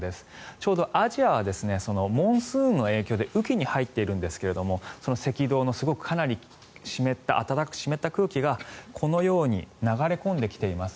ちょうどアジアはモンスーンの影響で雨期に入っているんですが赤道のすごくかなり暖かく湿った空気がこのように流れ込んできています。